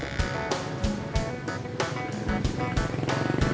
kata sabto gue kameramen bukan montir